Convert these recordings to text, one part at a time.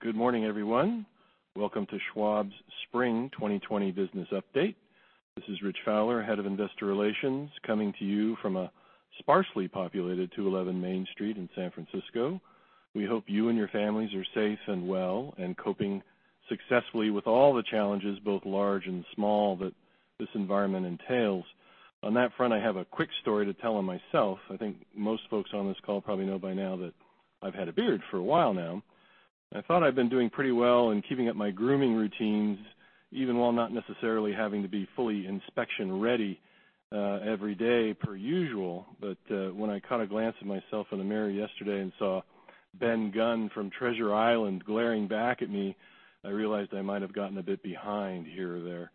We are live. Good morning, everyone. Welcome to Schwab's Spring 2020 Business Update. This is Rich Fowler, Head of Investor Relations, coming to you from a sparsely populated 211 Main Street in San Francisco. We hope you and your families are safe and well and coping successfully with all the challenges, both large and small, that this environment entails. On that front, I have a quick story to tell on myself. I think most folks on this call probably know by now that I've had a beard for a while now. I thought I'd been doing pretty well in keeping up my grooming routines, even while not necessarily having to be fully inspection ready every day per usual. When I caught a glance at myself in the mirror yesterday and saw Ben Gunn from Treasure Island glaring back at me, I realized I might have gotten a bit behind here or there.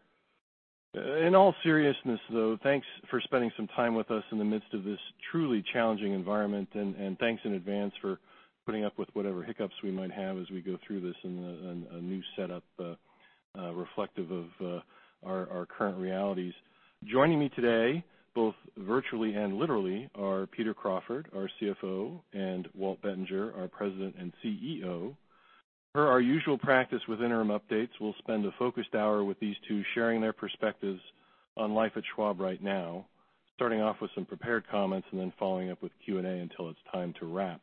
In all seriousness, though, thanks for spending some time with us in the midst of this truly challenging environment, and thanks in advance for putting up with whatever hiccups we might have as we go through this in a new setup reflective of our current realities. Joining me today, both virtually and literally, are Peter Crawford, our CFO, and Walt Bettinger, our President and CEO. Per our usual practice with interim updates, we'll spend a focused hour with these two sharing their perspectives on life at Schwab right now, starting off with some prepared comments and then following up with Q&A until it's time to wrap.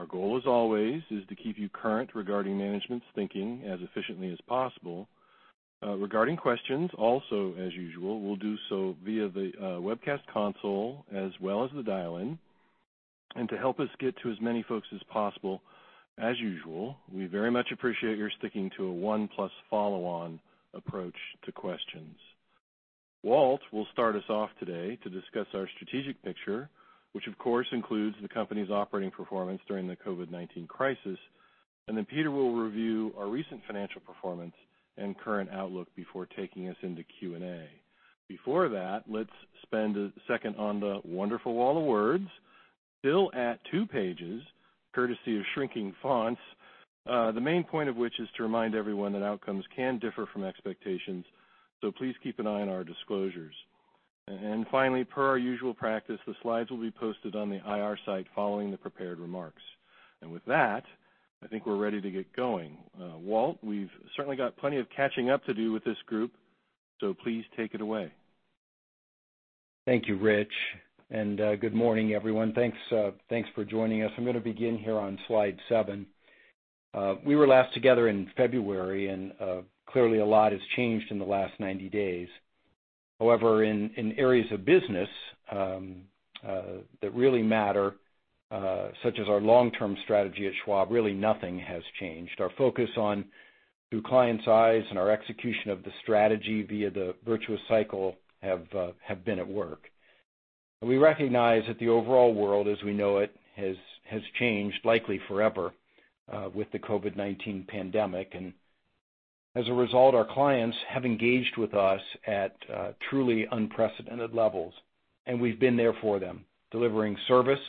Our goal, as always, is to keep you current regarding management's thinking as efficiently as possible. Regarding questions, also as usual, we'll do so via the webcast console as well as the dial-in. To help us get to as many folks as possible, as usual, we very much appreciate your sticking to a one-plus follow-on approach to questions. Walt will start us off today to discuss our strategic picture, which, of course, includes the company's operating performance during the COVID-19 crisis. Then Peter will review our recent financial performance and current outlook before taking us into Q&A. Before that, let's spend a second on the wonderful wall of words, still at two pages, courtesy of shrinking fonts. The main point of which is to remind everyone that outcomes can differ from expectations, so please keep an eye on our disclosures. Finally, per our usual practice, the slides will be posted on the IR site following the prepared remarks. With that, I think we're ready to get going. Walt, we've certainly got plenty of catching up to do with this group, so please take it away. Thank you, Rich. Good morning, everyone. Thanks for joining us. I'm going to begin here on slide seven. We were last together in February, and clearly a lot has changed in the last 90 days. However, in areas of business that really matter, such as our long-term strategy at Schwab, really nothing has changed. Our focus on Through Clients' Eyes and our execution of the strategy via the virtuous cycle have been at work. We recognize that the overall world as we know it has changed, likely forever, with the COVID-19 pandemic. As a result, our clients have engaged with us at truly unprecedented levels, and we've been there for them, delivering service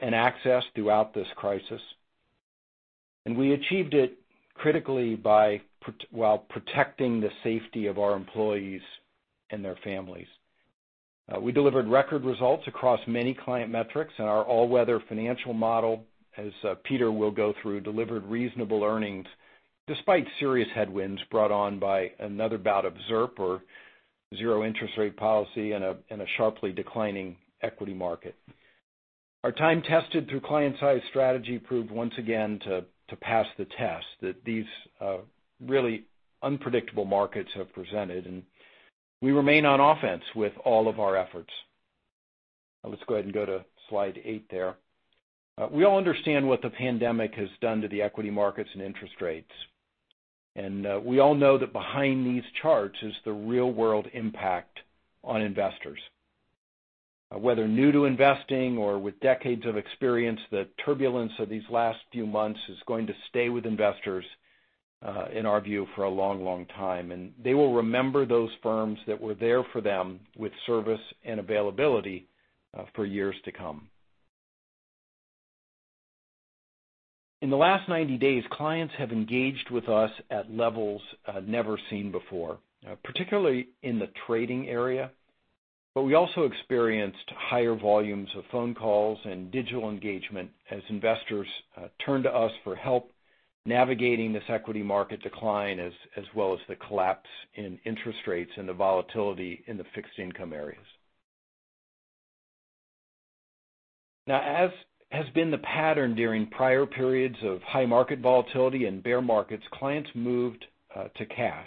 and access throughout this crisis. We achieved it critically while protecting the safety of our employees and their families. We delivered record results across many client metrics and our All Weather financial model, as Peter will go through, delivered reasonable earnings despite serious headwinds brought on by another bout of ZIRP or zero interest rate policy in a sharply declining equity market. Our time-tested Through Clients' Eyes strategy proved once again to pass the test that these really unpredictable markets have presented, and we remain on offense with all of our efforts. Let's go ahead and go to slide eight there. We all understand what the pandemic has done to the equity markets and interest rates. We all know that behind these charts is the real-world impact on investors. Whether new to investing or with decades of experience, the turbulence of these last few months is going to stay with investors, in our view, for a long, long time. They will remember those firms that were there for them with service and availability for years to come. In the last 90 days, clients have engaged with us at levels never seen before, particularly in the trading area. We also experienced higher volumes of phone calls and digital engagement as investors turned to us for help navigating this equity market decline, as well as the collapse in interest rates and the volatility in the fixed income areas. As has been the pattern during prior periods of high market volatility and bear markets, clients moved to cash.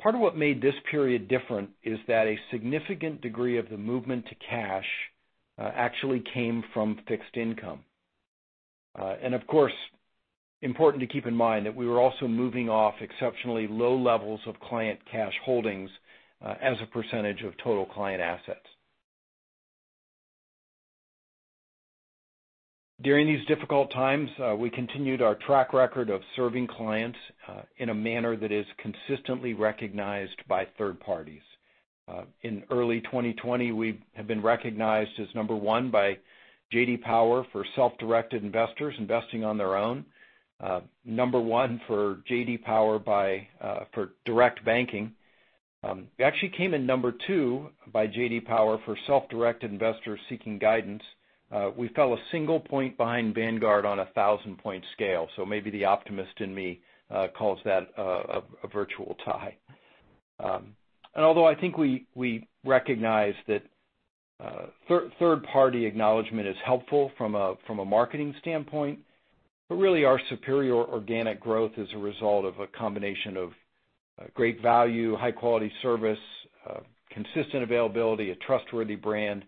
Part of what made this period different is that a significant degree of the movement to cash actually came from fixed income. Of course, important to keep in mind that we were also moving off exceptionally low levels of client cash holdings as a percentage of total client assets. During these difficult times, we continued our track record of serving clients in a manner that is consistently recognized by third-parties. In early 2020, we have been recognized as number one by J.D. Power for self-directed investors investing on their own, number one for J.D. Power for direct banking. We actually came in number two by J.D. Power for self-directed investors seeking guidance. We fell a single point behind Vanguard on 1,000-point scale. Maybe the optimist in me calls that a virtual tie. Although I think we recognize that third-party acknowledgment is helpful from a marketing standpoint, but really our superior organic growth is a result of a combination of great value, high-quality service, consistent availability, a trustworthy brand,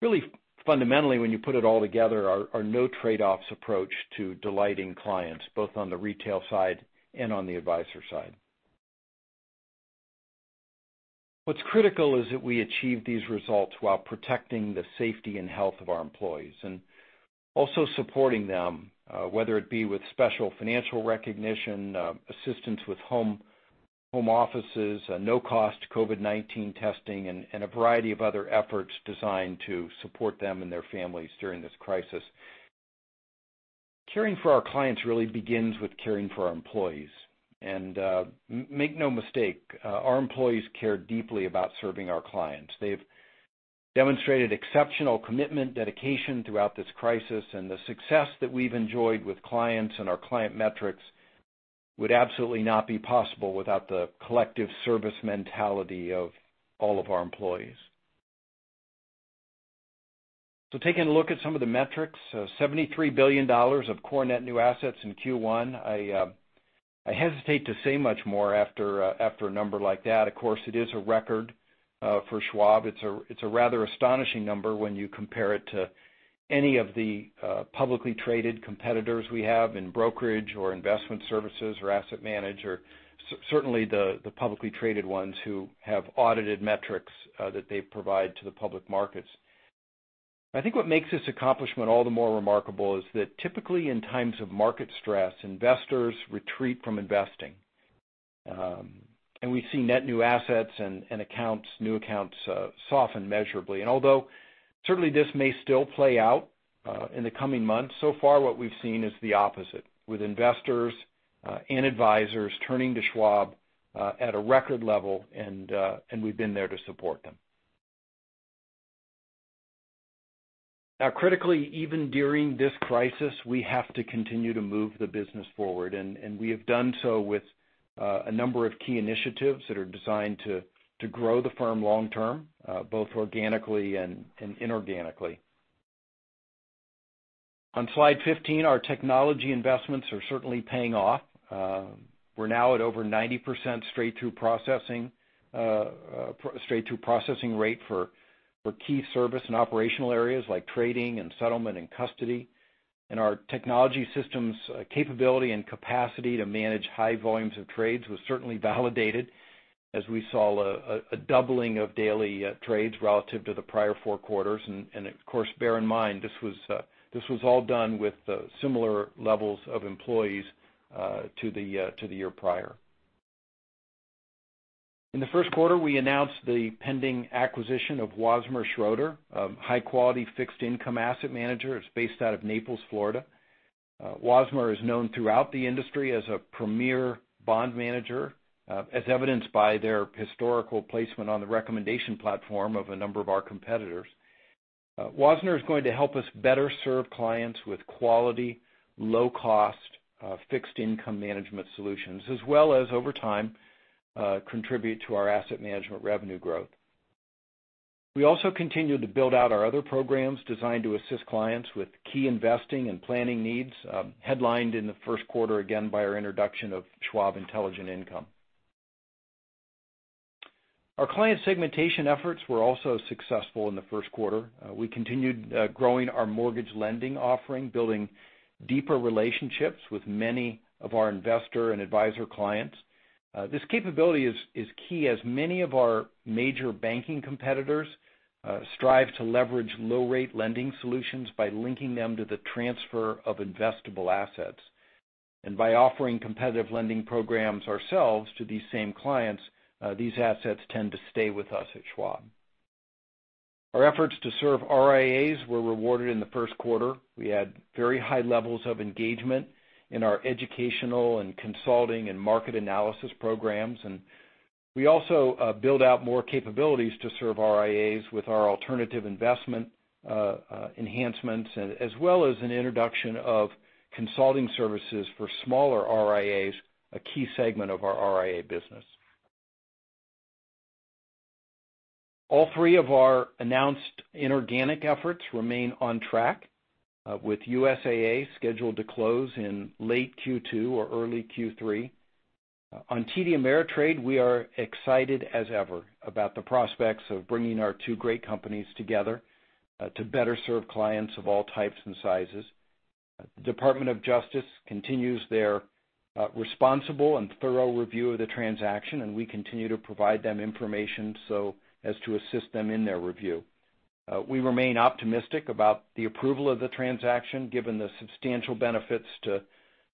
really fundamentally, when you put it all together, our no trade-offs approach to delighting clients, both on the retail side and on the advisor side. What's critical is that we achieve these results while protecting the safety and health of our employees, and also supporting them, whether it be with special financial recognition, assistance with home offices, no-cost COVID-19 testing, and a variety of other efforts designed to support them and their families during this crisis. Caring for our clients really begins with caring for our employees. Make no mistake, our employees care deeply about serving our clients. They've demonstrated exceptional commitment, dedication throughout this crisis, and the success that we've enjoyed with clients and our client metrics would absolutely not be possible without the collective service mentality of all of our employees. Taking a look at some of the metrics, $73 billion of core net new assets in Q1. I hesitate to say much more after a number like that. Of course, it is a record for Schwab. It's a rather astonishing number when you compare it to any of the publicly traded competitors we have in brokerage or investment services or asset manager. Certainly, the publicly traded ones who have audited metrics that they provide to the public markets. I think what makes this accomplishment all the more remarkable is that typically in times of market stress, investors retreat from investing. We see net new assets and new accounts soften measurably. Although certainly this may still play out in the coming months, so far what we've seen is the opposite, with investors and advisors turning to Schwab at a record level, and we've been there to support them. Critically, even during this crisis, we have to continue to move the business forward. We have done so with a number of key initiatives that are designed to grow the firm long-term, both organically and inorganically. On slide 15, our technology investments are certainly paying off. We're now at over 90% straight-through processing rate for key service and operational areas like trading and settlement and custody. Our technology systems' capability and capacity to manage high volumes of trades was certainly validated as we saw a doubling of daily trades relative to the prior four quarters. Of course, bear in mind, this was all done with similar levels of employees to the year prior. In the first quarter, we announced the pending acquisition of Wasmer Schroeder, a high-quality fixed income asset manager. It's based out of Naples, Florida. Wasmer is known throughout the industry as a premier bond manager, as evidenced by their historical placement on the recommendation platform of a number of our competitors. Wasmer is going to help us better serve clients with quality, low-cost fixed income management solutions, as well as, over time, contribute to our asset management revenue growth. We also continued to build out our other programs designed to assist clients with key investing and planning needs, headlined in the first quarter, again, by our introduction of Schwab Intelligent Income. Our client segmentation efforts were also successful in the first quarter. We continued growing our mortgage lending offering, building deeper relationships with many of our investor and advisor clients. This capability is key as many of our major banking competitors strive to leverage low-rate lending solutions by linking them to the transfer of investable assets. By offering competitive lending programs ourselves to these same clients, these assets tend to stay with us at Schwab. Our efforts to serve RIAs were rewarded in the first quarter. We had very high levels of engagement in our educational and consulting and market analysis programs. We also built out more capabilities to serve RIAs with our alternative investment enhancements, as well as an introduction of consulting services for smaller RIAs, a key segment of our RIA business. All three of our announced inorganic efforts remain on track, with USAA scheduled to close in late Q2 or early Q3. On TD Ameritrade, we are excited as ever about the prospects of bringing our two great companies together to better serve clients of all types and sizes. The Department of Justice continues their responsible and thorough review of the transaction, and we continue to provide them information so as to assist them in their review. We remain optimistic about the approval of the transaction, given the substantial benefits to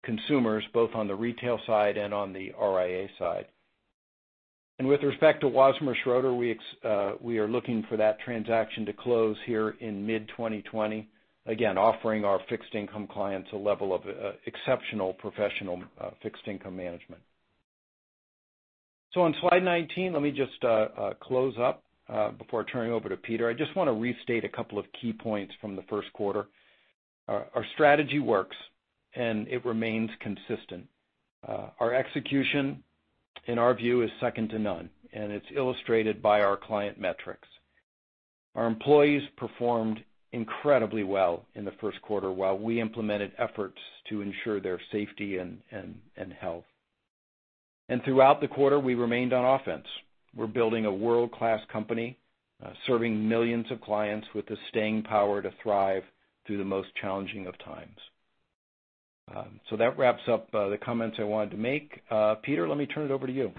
consumers, both on the retail side and on the RIA side. With respect to Wasmer Schroeder, we are looking for that transaction to close here in mid-2020. Again, offering our fixed income clients a level of exceptional professional fixed income management. On slide 19, let me just close up before turning over to Peter. I just want to restate a couple of key points from the first quarter. Our strategy works, and it remains consistent. Our execution, in our view, is second to none, and it's illustrated by our client metrics. Our employees performed incredibly well in the first quarter while we implemented efforts to ensure their safety and health. Throughout the quarter, we remained on offense. We're building a world-class company, serving millions of clients with the staying power to thrive through the most challenging of times. That wraps up the comments I wanted to make. Peter, let me turn it over to you.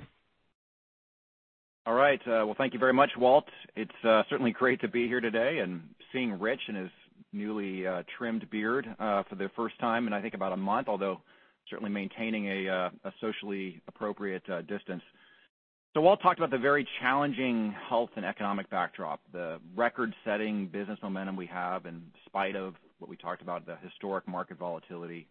All right. Well, thank you very much, Walt. It's certainly great to be here today and seeing Rich and his newly trimmed beard for the first time in, I think, about a month, although certainly maintaining a socially appropriate distance. Walt talked about the very challenging health and economic backdrop, the record-setting business momentum we have in spite of what we talked about, the historic market volatility,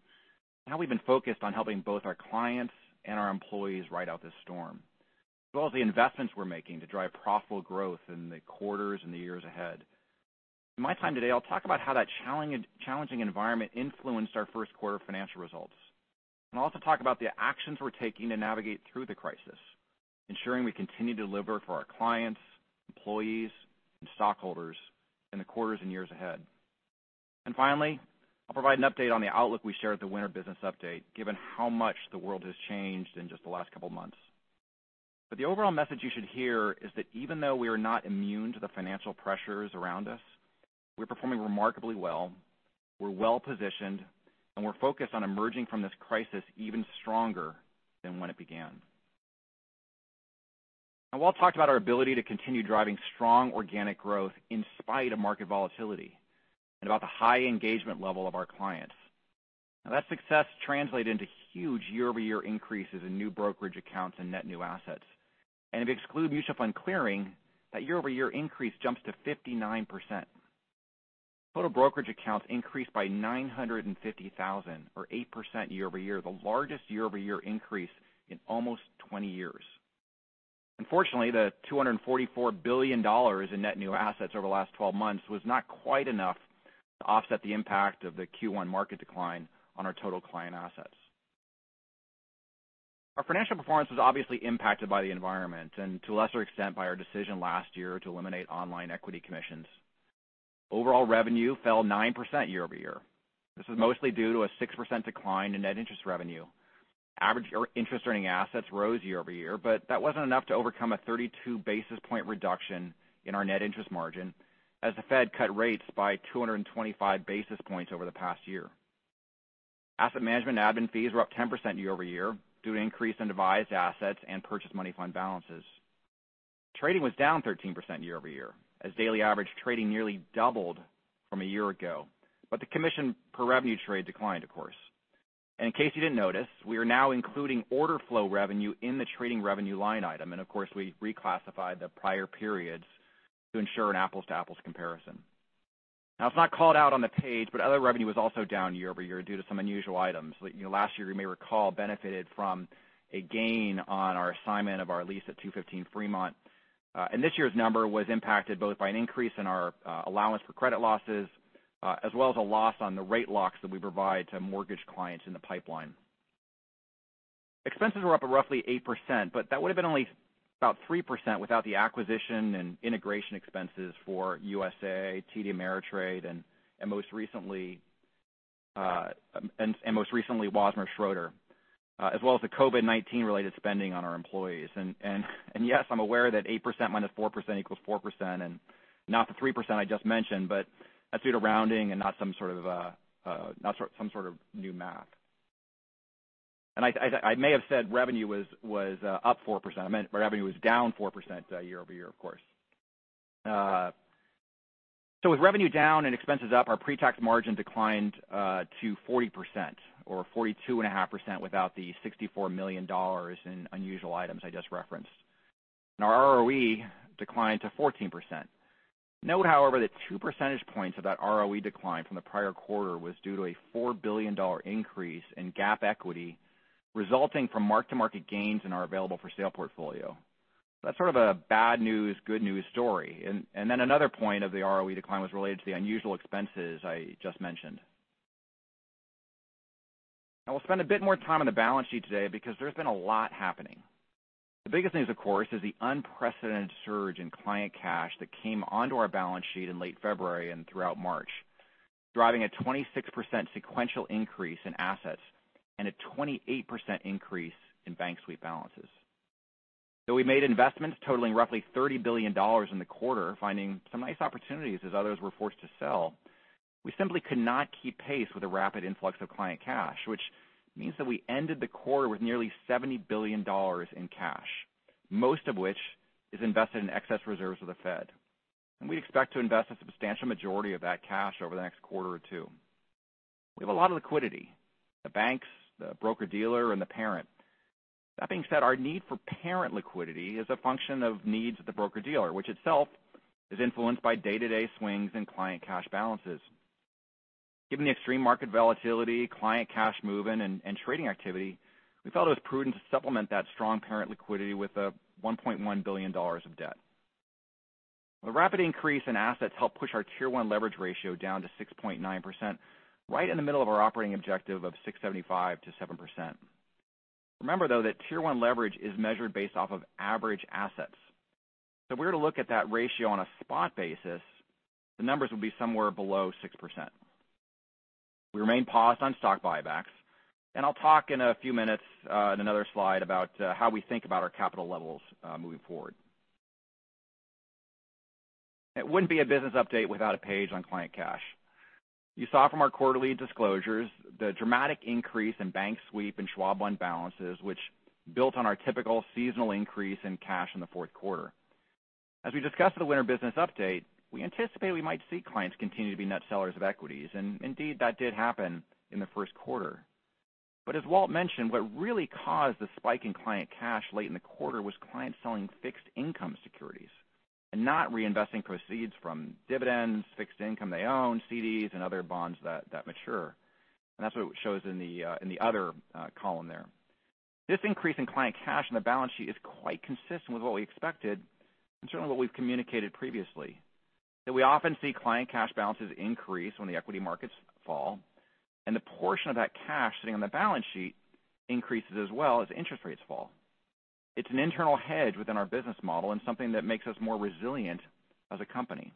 and how we've been focused on helping both our clients and our employees ride out this storm, as well as the investments we're making to drive profitable growth in the quarters and the years ahead. In my time today, I'll talk about how that challenging environment influenced our first quarter financial results. I'll also talk about the actions we're taking to navigate through the crisis, ensuring we continue to deliver for our clients, employees, and stockholders in the quarters and years ahead. Finally, I'll provide an update on the outlook we shared at the Winter Business Update, given how much the world has changed in just the last couple of months. The overall message you should hear is that even though we are not immune to the financial pressures around us, we're performing remarkably well, we're well-positioned, and we're focused on emerging from this crisis even stronger than when it began. Now, Walt talked about our ability to continue driving strong organic growth in spite of market volatility and about the high engagement level of our clients. That success translated into huge year-over-year increases in new brokerage accounts and net new assets. If you exclude mutual fund clearing, that year-over-year increase jumps to 59%. Total brokerage accounts increased by 950,000, or 8% year-over-year, the largest year-over-year increase in almost 20 years. Unfortunately, the $244 billion in net new assets over the last 12 months was not quite enough to offset the impact of the Q1 market decline on our total client assets. Our financial performance was obviously impacted by the environment and to a lesser extent by our decision last year to eliminate online equity commissions. Overall revenue fell 9% year-over-year. This was mostly due to a 6% decline in net interest revenue. Average interest earning assets rose year-over-year, but that wasn't enough to overcome a 32 basis point reduction in our net interest margin as the Fed cut rates by 225 basis points over the past year. Asset management and admin fees were up 10% year-over-year due to increase in advised assets and purchased money fund balances. Trading was down 13% year-over-year as daily average trading nearly doubled from a year ago, but the commission per revenue trade declined, of course. In case you didn't notice, we are now including order flow revenue in the trading revenue line item. Of course, we reclassified the prior periods to ensure an apples-to-apples comparison. It's not called out on the page, but other revenue was also down year-over-year due to some unusual items. Last year, you may recall, benefited from a gain on our assignment of our lease at 215 Fremont. This year's number was impacted both by an increase in our allowance for credit losses as well as a loss on the rate locks that we provide to mortgage clients in the pipeline. Expenses were up at roughly 8%, but that would have been only about 3% without the acquisition and integration expenses for USAA, TD Ameritrade, and most recently, Wasmer Schroeder, as well as the COVID-19 related spending on our employees. Yes, I'm aware that 8% minus 4% equals 4%, and not the 3% I just mentioned, but that's due to rounding and not some sort of new math. I may have said revenue was up 4%. I meant revenue was down 4% year-over-year, of course. With revenue down and expenses up, our pre-tax margin declined to 40%, or 42.5% without the $64 million in unusual items I just referenced. Our ROE declined to 14%. Note, however, that 2 percentage points of that ROE decline from the prior quarter was due to a $4 billion increase in GAAP equity resulting from mark-to-market gains in our available-for-sale portfolio. That's sort of a bad news, good news story. Then another point of the ROE decline was related to the unusual expenses I just mentioned. We'll spend a bit more time on the balance sheet today because there's been a lot happening. The biggest thing is, of course, is the unprecedented surge in client cash that came onto our balance sheet in late February and throughout March, driving a 26% sequential increase in assets and a 28% increase in Bank Sweep balances. Though we made investments totaling roughly $30 billion in the quarter, finding some nice opportunities as others were forced to sell, we simply could not keep pace with the rapid influx of client cash, which means that we ended the quarter with nearly $70 billion in cash, most of which is invested in excess reserves with the Fed. We expect to invest a substantial majority of that cash over the next quarter or two. We have a lot of liquidity, the banks, the broker-dealer, and the parent. That being said, our need for parent liquidity is a function of needs of the broker-dealer, which itself is influenced by day-to-day swings in client cash balances. Given the extreme market volatility, client cash movement, and trading activity, we felt it was prudent to supplement that strong current liquidity with a $1.1 billion of debt. The rapid increase in assets helped push our Tier 1 leverage ratio down to 6.9%, right in the middle of our operating objective of 6.75%-7%. Remember, though, that Tier 1 leverage is measured based off of average assets. If we were to look at that ratio on a spot basis, the numbers would be somewhere below 6%. We remain paused on stock buybacks, and I'll talk in a few minutes, in another slide, about how we think about our capital levels moving forward. It wouldn't be a business update without a page on client cash. You saw from our quarterly disclosures the dramatic increase in Bank Sweep and Schwab One balances, which built on our typical seasonal increase in cash in the fourth quarter. As we discussed at the Winter Business Update, we anticipate we might see clients continue to be net sellers of equities. Indeed, that did happen in the first quarter. As Walt mentioned, what really caused the spike in client cash late in the quarter was clients selling fixed income securities and not reinvesting proceeds from dividends, fixed income they own, CDs, and other bonds that mature. That's what it shows in the other column there. This increase in client cash on the balance sheet is quite consistent with what we expected and certainly what we've communicated previously, that we often see client cash balances increase when the equity markets fall, and the portion of that cash sitting on the balance sheet increases as well as interest rates fall. It's an internal hedge within our business model and something that makes us more resilient as a company.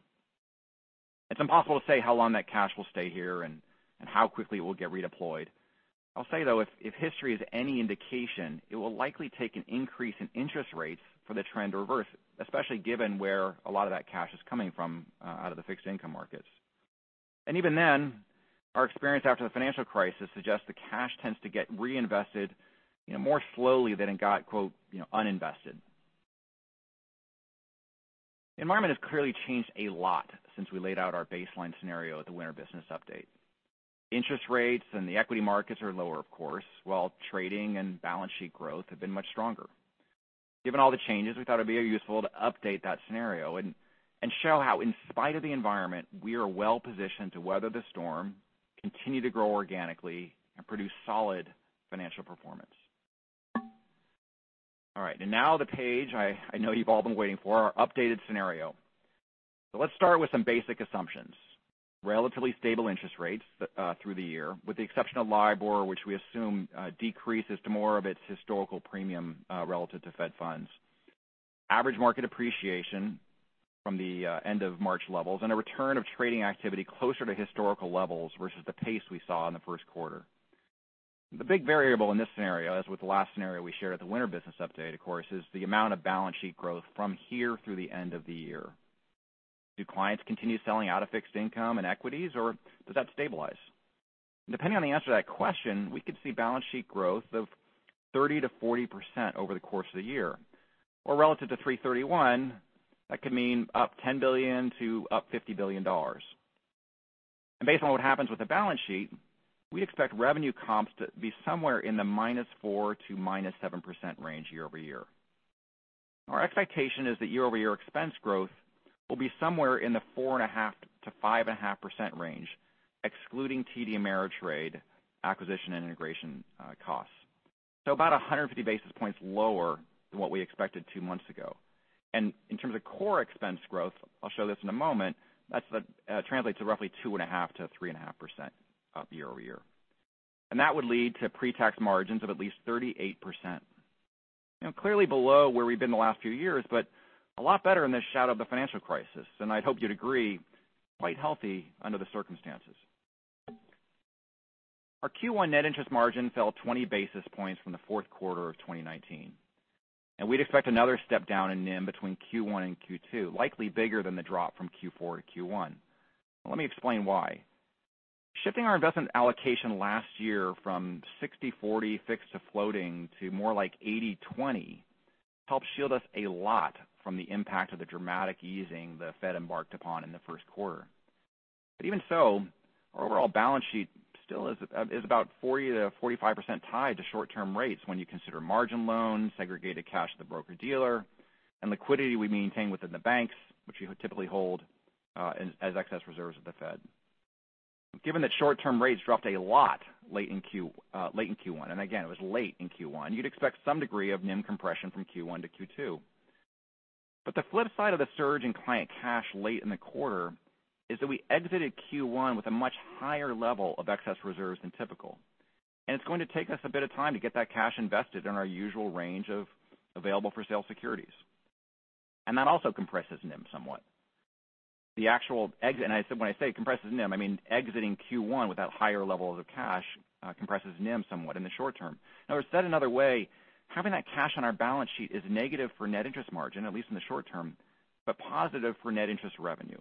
It's impossible to say how long that cash will stay here and how quickly it will get redeployed. I'll say, though, if history is any indication, it will likely take an increase in interest rates for the trend to reverse, especially given where a lot of that cash is coming from, out of the fixed income markets. Even then, our experience after the financial crisis suggests the cash tends to get reinvested more slowly than it got "uninvested." The environment has clearly changed a lot since we laid out our baseline scenario at the Winter Business Update. Interest rates and the equity markets are lower, of course, while trading and balance sheet growth have been much stronger. Given all the changes, we thought it'd be useful to update that scenario and show how, in spite of the environment, we are well-positioned to weather the storm, continue to grow organically, and produce solid financial performance. All right. Now the page I know you've all been waiting for, our updated scenario. Let's start with some basic assumptions. Relatively stable interest rates through the year, with the exception of LIBOR, which we assume decreases to more of its historical premium relative to Fed funds. Average market appreciation from the end of March levels and a return of trading activity closer to historical levels versus the pace we saw in the first quarter. The big variable in this scenario, as with the last scenario we shared at the Winter Business Update, of course, is the amount of balance sheet growth from here through the end of the year. Do clients continue selling out of fixed income and equities, or does that stabilize? Depending on the answer to that question, we could see balance sheet growth of 30%-40% over the course of the year. Relative to 3/31, that could mean up $10 billion to up $50 billion. Based on what happens with the balance sheet, we expect revenue comps to be somewhere in the -4% to -7% range year-over-year. Our expectation is that year-over-year expense growth will be somewhere in the 4.5%-5.5% range, excluding TD Ameritrade acquisition and integration costs. About 150 basis points lower than what we expected two months ago. In terms of core expense growth, I'll show this in a moment, that translates to roughly 2.5%-3.5% up year-over-year. That would lead to pre-tax margins of at least 38%. Clearly below where we've been the last few years, but a lot better in this shadow of the financial crisis, and I'd hope you'd agree, quite healthy under the circumstances. Our Q1 net interest margin fell 20 basis points from the fourth quarter of 2019. We'd expect another step down in NIM between Q1 and Q2, likely bigger than the drop from Q4 to Q1. Let me explain why. Shifting our investment allocation last year from 60/40 fixed to floating to more like 80/20 helped shield us a lot from the impact of the dramatic easing the Fed embarked upon in the first quarter. Even so, our overall balance sheet still is about 40%-45% tied to short-term rates when you consider margin loans, segregated cash at the broker-dealer, and liquidity we maintain within the banks, which you typically hold as excess reserves at the Fed. Given that short-term rates dropped a lot late in Q1, and again, it was late in Q1, you'd expect some degree of NIM compression from Q1 to Q2. The flip side of the surge in client cash late in the quarter is that we exited Q1 with a much higher level of excess reserves than typical. It's going to take us a bit of time to get that cash invested in our usual range of available-for-sale securities. That also compresses NIM somewhat. When I say compresses NIM, I mean exiting Q1 with that higher level of cash compresses NIM somewhat in the short-term. Said another way, having that cash on our balance sheet is negative for net interest margin, at least in the short-term, but positive for net interest revenue.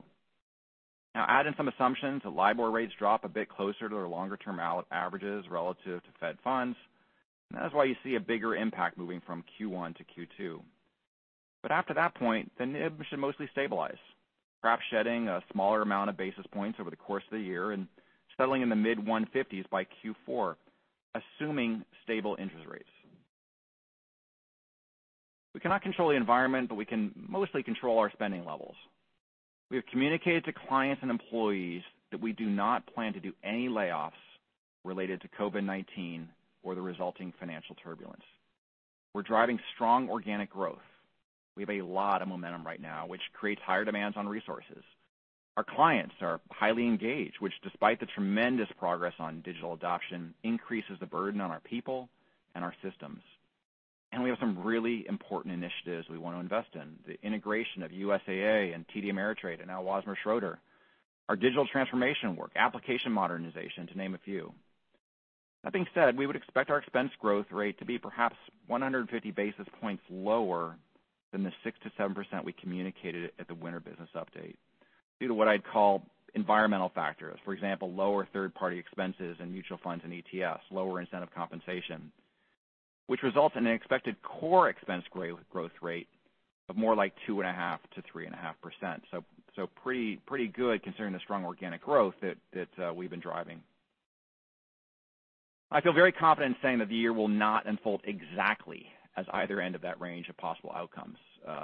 Add in some assumptions that LIBOR rates drop a bit closer to their longer-term averages relative to Fed funds, and that's why you see a bigger impact moving from Q1 to Q2. After that point, the NIM should mostly stabilize, perhaps shedding a smaller amount of basis points over the course of the year and settling in the mid-150s by Q4, assuming stable interest rates. We cannot control the environment, but we can mostly control our spending levels. We have communicated to clients and employees that we do not plan to do any layoffs related to COVID-19 or the resulting financial turbulence. We're driving strong organic growth. We have a lot of momentum right now, which creates higher demands on resources. Our clients are highly engaged, which despite the tremendous progress on digital adoption, increases the burden on our people and our systems. We have some really important initiatives we want to invest in. The integration of USAA and TD Ameritrade and now Wasmer Schroeder. Our digital transformation work, application modernization, to name a few. That being said, we would expect our expense growth rate to be perhaps 150 basis points lower than the 6%-7% we communicated at the Winter Business Update, due to what I'd call environmental factors. For example, lower third-party expenses and mutual funds and ETFs, lower incentive compensation, which results in an expected core expense growth rate of more like 2.5%-3.5%. Pretty good considering the strong organic growth that we've been driving. I feel very confident in saying that the year will not unfold exactly as either end of that range of possible outcomes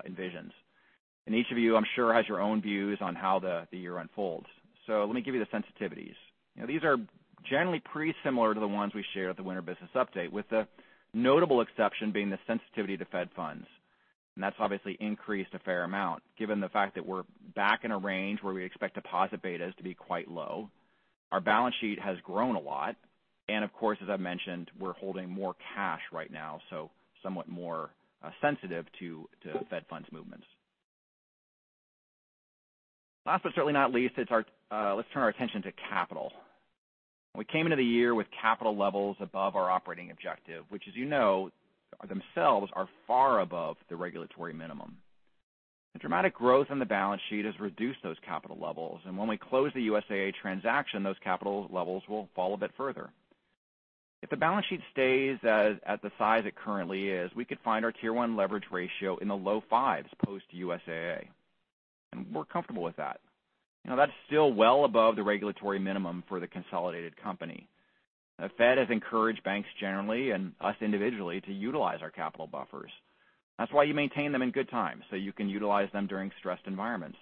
envisions. Each of you, I'm sure, has your own views on how the year unfolds. Let me give you the sensitivities. These are generally pretty similar to the ones we shared at the Winter Business Update, with the notable exception being the sensitivity to Fed funds. That's obviously increased a fair amount given the fact that we're back in a range where we expect deposit betas to be quite low. Our balance sheet has grown a lot, and of course, as I mentioned, we're holding more cash right now, so somewhat more sensitive to Fed funds movements. Last but certainly not least, let's turn our attention to capital. We came into the year with capital levels above our operating objective, which as you know, themselves are far above the regulatory minimum. The dramatic growth in the balance sheet has reduced those capital levels, and when we close the USAA transaction, those capital levels will fall a bit further. If the balance sheet stays at the size it currently is, we could find our Tier 1 leverage ratio in the low 5s post USAA, and we're comfortable with that. That's still well above the regulatory minimum for the consolidated company. The Fed has encouraged banks generally, and us individually, to utilize our capital buffers. That's why you maintain them in good times, so you can utilize them during stressed environments.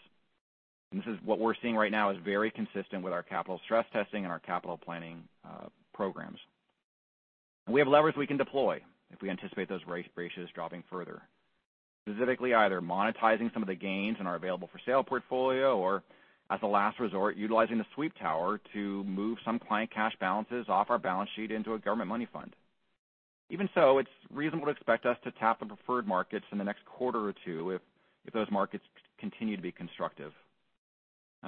This is what we're seeing right now is very consistent with our capital stress testing and our capital planning programs. We have levers we can deploy if we anticipate those ratios dropping further, specifically either monetizing some of the gains in our available-for-sale portfolio or, as a last resort, utilizing the sweep tower to move some client cash balances off our balance sheet into a government money fund. Even so, it's reasonable to expect us to tap the preferred markets in the next quarter or two if those markets continue to be constructive.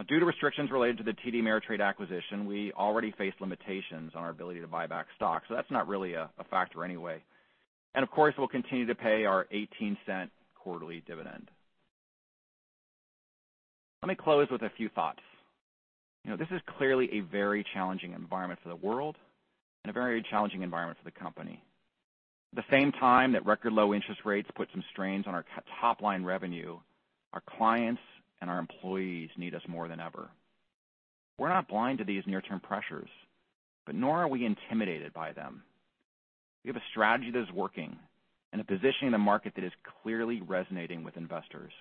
Due to restrictions related to the TD Ameritrade acquisition, we already face limitations on our ability to buy back stock. That's not really a factor anyway. Of course, we'll continue to pay our $0.18 quarterly dividend. Let me close with a few thoughts. This is clearly a very challenging environment for the world and a very challenging environment for the company. At the same time that record low interest rates put some strains on our top-line revenue, our clients and our employees need us more than ever. We're not blind to these near-term pressures, nor are we intimidated by them. We have a strategy that is working and a position in the market that is clearly resonating with investors.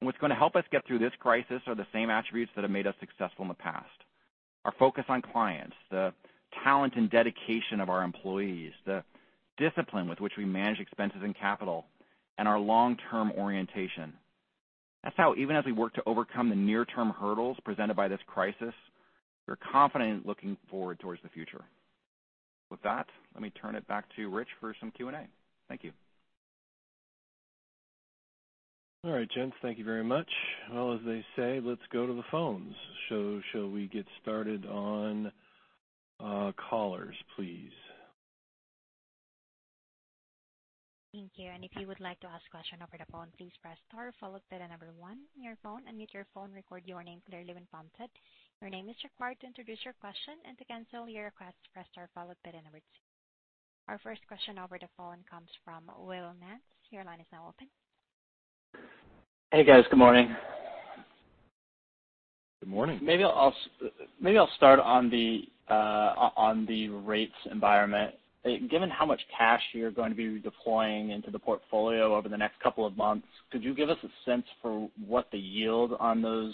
What's going to help us get through this crisis are the same attributes that have made us successful in the past. Our focus on clients, the talent and dedication of our employees, the discipline with which we manage expenses and capital, and our long-term orientation. That's how, even as we work to overcome the near-term hurdles presented by this crisis, we're confident looking forward towards the future. With that, let me turn it back to Rich for some Q&A. Thank you. All right, gents. Thank you very much. Well, as they say, let's go to the phones. Shall we get started on callers, please? Thank you. If you would like to ask question over the phone, please press star followed by the number one on your phone, unmute your phone, record your name clearly when prompted. Your name is required to introduce your question. To cancel your request, press star followed by the number two. Our first question over the phone comes from Will Nance. Your line is now open. Hey, guys. Good morning. Good morning. Maybe I'll start on the rates environment. Given how much cash you're going to be deploying into the portfolio over the next couple of months, could you give us a sense for what the yield on those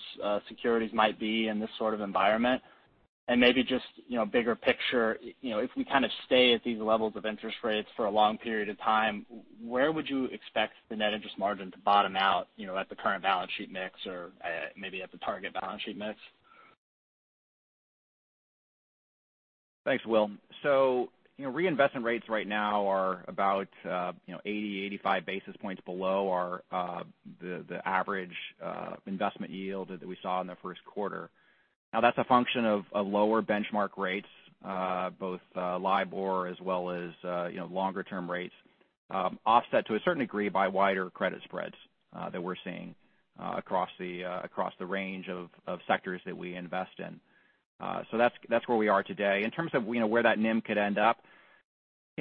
securities might be in this sort of environment? Maybe just bigger picture, if we kind of stay at these levels of interest rates for a long period of time, where would you expect the net interest margin to bottom out at the current balance sheet mix or maybe at the target balance sheet mix? Thanks, Will. Reinvestment rates right now are about 80, 85 basis points below the average investment yield that we saw in the first quarter. That's a function of lower benchmark rates, both LIBOR as well as longer-term rates, offset to a certain degree by wider credit spreads that we're seeing across the range of sectors that we invest in. That's where we are today. In terms of where that NIM could end up,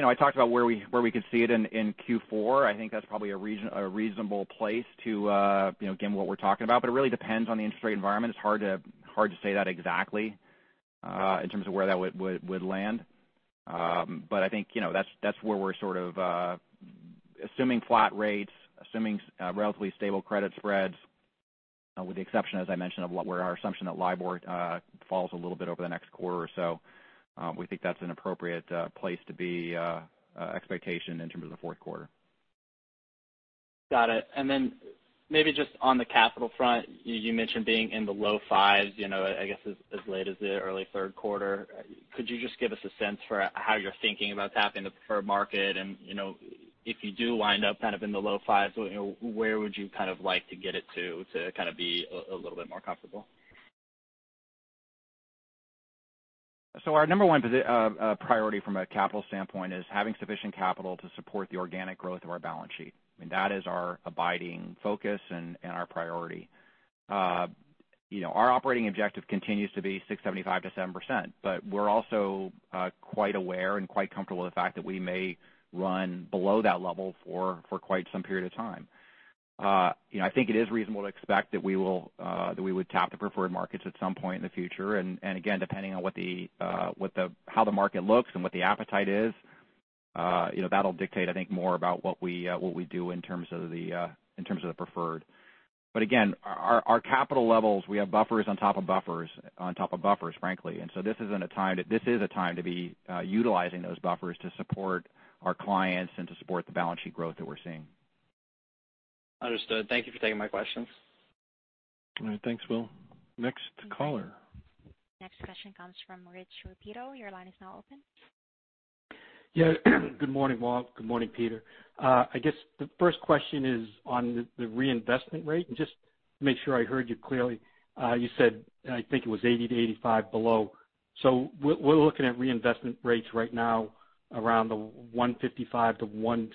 I talked about where we could see it in Q4. I think that's probably a reasonable place to give what we're talking about. It really depends on the interest rate environment. It's hard to say that exactly. In terms of where that would land. I think that's where we're sort of assuming flat rates, assuming relatively stable credit spreads with the exception, as I mentioned, of where our assumption that LIBOR falls a little bit over the next quarter or so. We think that's an appropriate place to be expectation in terms of the fourth quarter. Got it. Maybe just on the capital front, you mentioned being in the low 5s I guess as late as the early third quarter. Could you just give us a sense for how you're thinking about tapping the preferred market? If you do wind up kind of in the low 5s, where would you like to get it to kind of be a little bit more comfortable? Our number one priority from a capital standpoint is having sufficient capital to support the organic growth of our balance sheet. I mean, that is our abiding focus and our priority. Our operating objective continues to be 6.75%-7%, but we're also quite aware and quite comfortable with the fact that we may run below that level for quite some period of time. I think it is reasonable to expect that we would tap the preferred markets at some point in the future. Again, depending on how the market looks and what the appetite is, that'll dictate, I think, more about what we do in terms of the preferred. Again, our capital levels, we have buffers on top of buffers, on top of buffers, frankly. This is a time to be utilizing those buffers to support our clients and to support the balance sheet growth that we're seeing. Understood. Thank you for taking my questions. All right. Thanks, Will. Next caller. Next question comes from Rich Repetto. Your line is now open. Yeah. Good morning, Walt. Good morning, Peter. I guess the first question is on the reinvestment rate. Just to make sure I heard you clearly, you said, I think it was 80-85 below. We're looking at reinvestment rates right now around the 155-160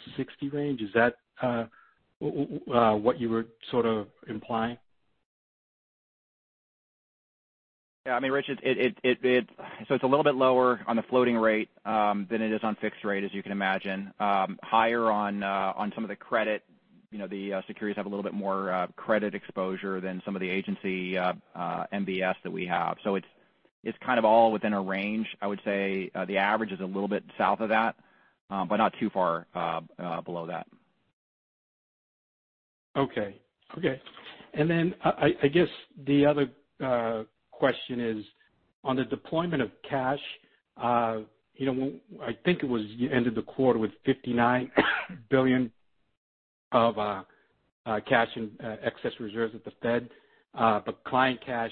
range. Is that what you were sort of implying? Yeah, I mean, Rich, it's a little bit lower on the floating rate than it is on fixed rate, as you can imagine. Higher on some of the credit. The securities have a little bit more credit exposure than some of the agency MBS that we have. It's kind of all within a range. I would say the average is a little bit south of that but not too far below that. Okay. I guess the other question is on the deployment of cash. I think it was you ended the quarter with $59 billion of cash in excess reserves at the Fed. Client cash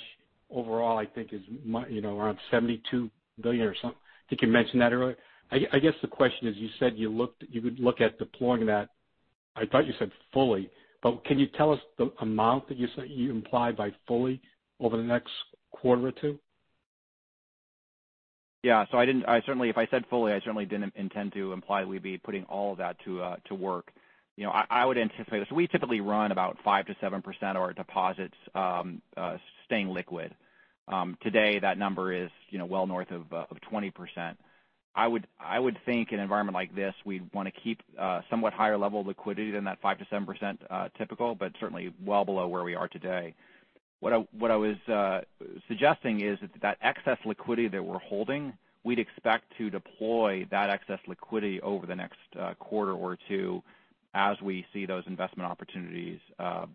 overall, I think is around $72 billion or something. I think you mentioned that earlier. I guess the question is, you said you would look at deploying that. I thought you said fully, but can you tell us the amount that you imply by fully over the next quarter or two? If I said fully, I certainly didn't intend to imply we'd be putting all of that to work. I would anticipate, we typically run about 5%-7% of our deposits staying liquid. Today, that number is well north of 20%. I would think an environment like this, we'd want to keep a somewhat higher level of liquidity than that 5%-7% typical, but certainly well below where we are today. What I was suggesting is that excess liquidity that we're holding, we'd expect to deploy that excess liquidity over the next quarter or two as we see those investment opportunities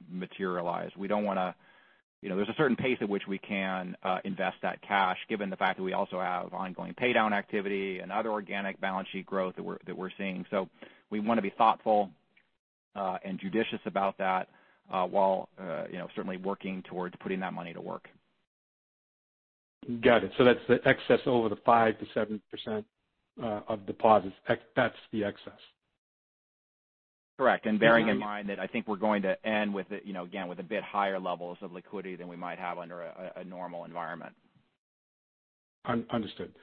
materialize. There's a certain pace at which we can invest that cash, given the fact that we also have ongoing pay down activity and other organic balance sheet growth that we're seeing. We want to be thoughtful and judicious about that while certainly working towards putting that money to work. Got it. That's the excess over the 5%-7% of deposits. That's the excess. Correct. Bearing in mind that I think we're going to end with a bit higher levels of liquidity than we might have under a normal environment. Understood.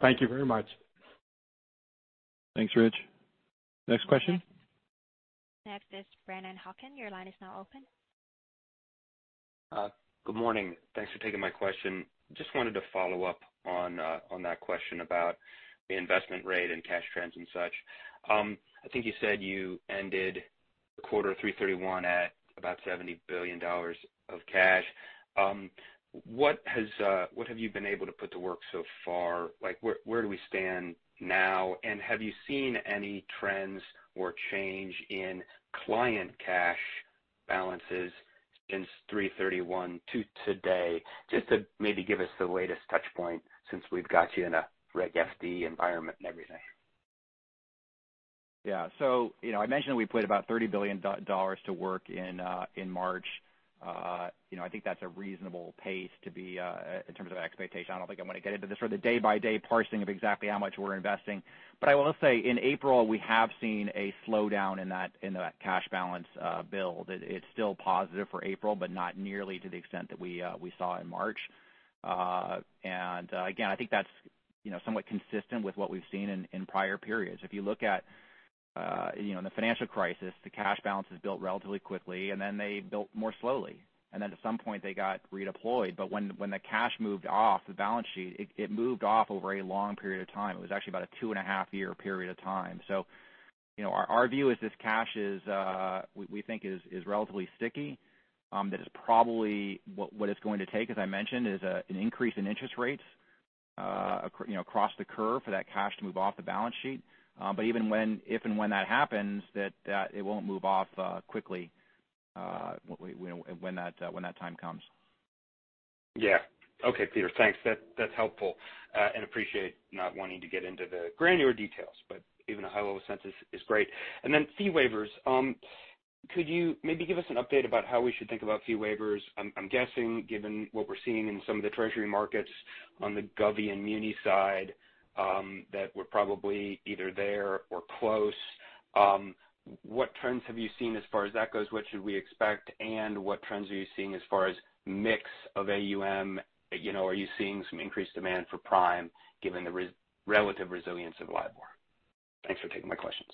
Thank you very much. Thanks, Rich. Next question. Next is Brennan Hawken. Your line is now open. Good morning. Thanks for taking my question. Just wanted to follow up on that question about the investment rate and cash trends and such. I think you said you ended the quarter 3/31 at about $70 billion of cash. What have you been able to put to work so far? Where do we stand now? Have you seen any trends or change in client cash balances since 3/31 to today? Just to maybe give us the latest touchpoint since we've got you in a Reg FD environment and everything. I mentioned that we put about $30 billion to work in March. I think that's a reasonable pace to be in terms of expectation. I don't think I'm going to get into the sort of day-by-day parsing of exactly how much we're investing. I will say in April, we have seen a slowdown in that cash balance build. It's still positive for April, but not nearly to the extent that we saw in March. Again, I think that's somewhat consistent with what we've seen in prior periods. If you look at the financial crisis, the cash balances built relatively quickly, then they built more slowly. Then at some point they got redeployed. When the cash moved off the balance sheet, it moved off over a long period of time. It was actually about a two and a half year period of time. Our view is this cash is, we think, is relatively sticky. That is probably what it's going to take, as I mentioned, is an increase in interest rates across the curve for that cash to move off the balance sheet. Even if and when that happens, that it won't move off quickly when that time comes. Yeah. Okay, Peter, thanks. That's helpful, and appreciate not wanting to get into the granular details, but even a high-level sense is great. Fee waivers, could you maybe give us an update about how we should think about fee waivers? I'm guessing, given what we're seeing in some of the Treasury markets on the govie and muni side, that we're probably either there or close. What trends have you seen as far as that goes? What should we expect, and what trends are you seeing as far as mix of AUM? Are you seeing some increased demand for prime given the relative resilience of LIBOR? Thanks for taking my questions.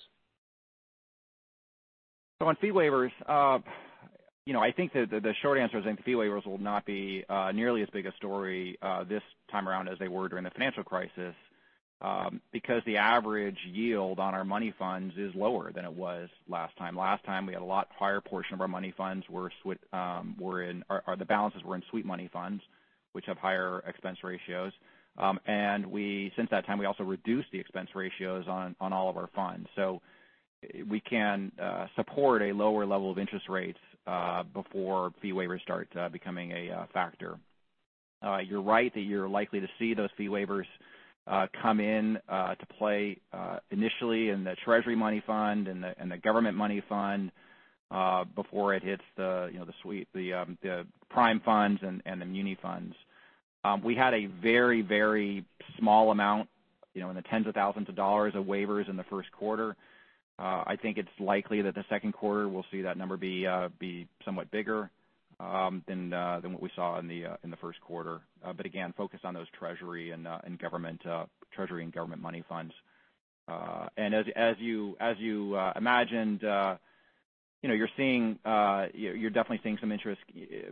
On fee waivers, I think that the short answer is I think fee waivers will not be nearly as big a story this time around as they were during the financial crisis because the average yield on our money funds is lower than it was last time. Last time, we had a lot higher portion of our money funds, the balances were in sweep money funds, which have higher expense ratios. Since that time, we also reduced the expense ratios on all of our funds. We can support a lower level of interest rates before fee waivers start becoming a factor. You're right that you're likely to see those fee waivers come in to play initially in the Treasury money fund and the government money fund before it hits the prime funds and the muni funds. We had a very, very small amount, in the tens of thousands of dollars, of waivers in the first quarter. I think it's likely that the second quarter will see that number be somewhat bigger than what we saw in the first quarter. Again, focused on those Treasury and government money funds. As you imagined, you're definitely seeing some interest,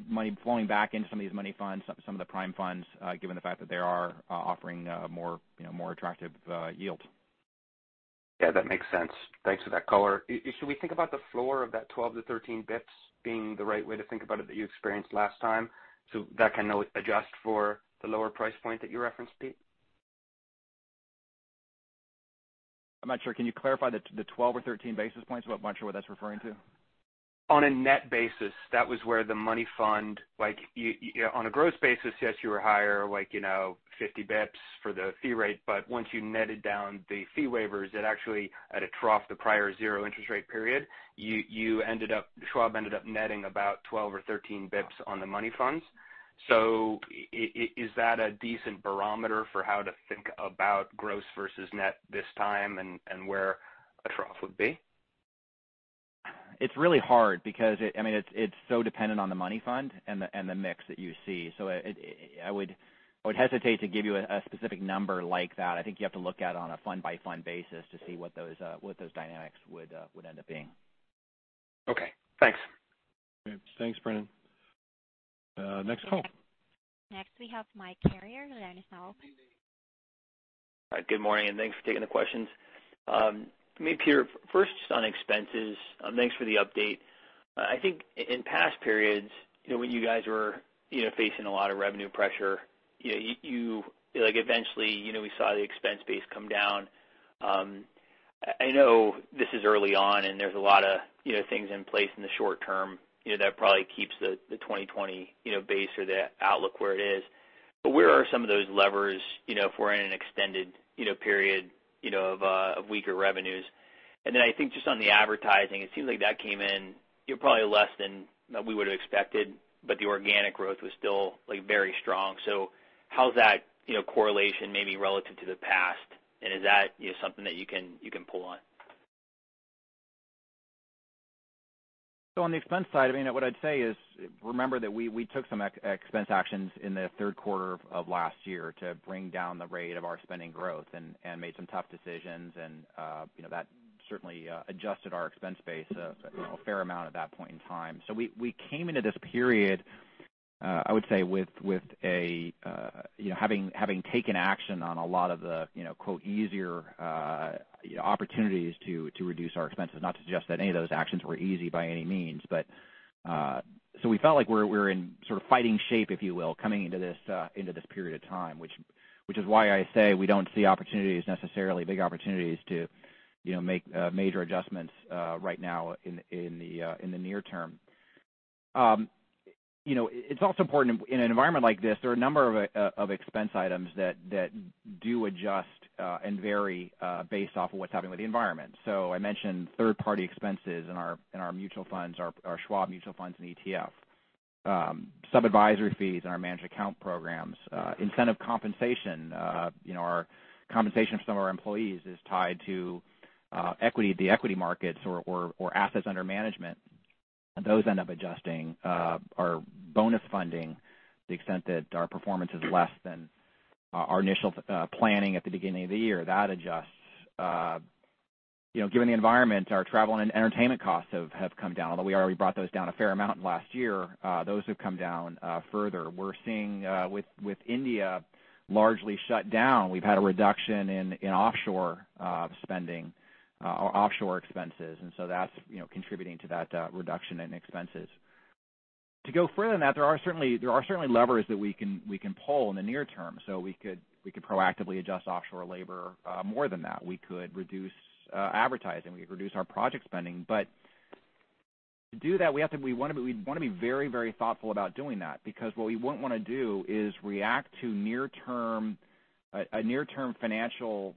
money flowing back into some of these money funds, some of the prime funds, given the fact that they are offering more attractive yields. Yeah, that makes sense. Thanks for that color. Should we think about the floor of that 12-13 basis points being the right way to think about it that you experienced last time? That can now adjust for the lower price point that you referenced, Pete? I'm not sure. Can you clarify the 12 or 13 basis points? I'm not sure what that's referring to. On a net basis, that was where the money fund, on a gross basis, yes, you were higher, like 50 basis points for the fee rate. Once you netted down the fee waivers, it actually, at a trough, the prior zero interest rate period, Schwab ended up netting about 12 or 13 basis points on the money funds. Is that a decent barometer for how to think about gross versus net this time and where a trough would be? It's really hard because it's so dependent on the money fund and the mix that you see. I would hesitate to give you a specific number like that. I think you have to look at it on a fund-by-fund basis to see what those dynamics would end up being. Okay, thanks. Okay, thanks, Brennan. Next call. Next, we have Mike Carrier, the line is now open. Hi, good morning. Thanks for taking the questions. Maybe Peter, first just on expenses, thanks for the update. I think in past periods, when you guys were facing a lot of revenue pressure, eventually we saw the expense base come down. I know this is early on and there's a lot of things in place in the short-term that probably keeps the 2020 base or the outlook where it is. Where are some of those levers if we're in an extended period of weaker revenues? I think just on the advertising, it seems like that came in probably less than we would've expected, but the organic growth was still very strong. How's that correlation maybe relative to the past, and is that something that you can pull on? On the expense side, what I'd say is remember that we took some expense actions in the third quarter of last year to bring down the rate of our spending growth and made some tough decisions, and that certainly adjusted our expense base a fair amount at that point in time. We came into this period, I would say, having taken action on a lot of the "easier opportunities to reduce our expenses." Not to suggest that any of those actions were easy by any means. We felt like we're in sort of fighting shape, if you will, coming into this period of time, which is why I say we don't see opportunities, necessarily big opportunities to make major adjustments right now in the near-term. It's also important in an environment like this, there are a number of expense items that do adjust and vary based off of what's happening with the environment. I mentioned third-party expenses in our mutual funds, our Schwab mutual funds and ETF. Sub-advisory fees in our managed account programs. Incentive compensation, our compensation for some of our employees is tied to the equity markets or assets under management. Those end up adjusting. Our bonus funding, to the extent that our performance is less than our initial planning at the beginning of the year, that adjusts. Given the environment, our travel and entertainment costs have come down, although we already brought those down a fair amount last year. Those have come down further. We're seeing with India largely shut down, we've had a reduction in offshore spending, offshore expenses. That's contributing to that reduction in expenses. To go further than that, there are certainly levers that we can pull in the near-term. We could proactively adjust offshore labor more than that. We could reduce advertising. We could reduce our project spending. To do that, we'd want to be very, very thoughtful about doing that because what we wouldn't want to do is react to a near-term financial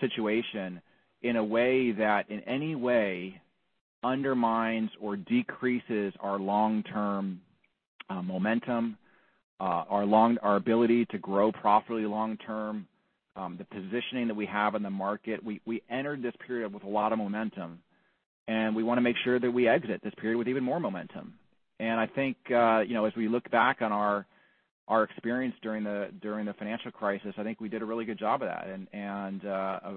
situation in a way that in any way undermines or decreases our long-term momentum, our ability to grow profitably long-term, the positioning that we have in the market. We entered this period with a lot of momentum. We want to make sure that we exit this period with even more momentum. I think as we look back on our experience during the financial crisis, I think we did a really good job of that,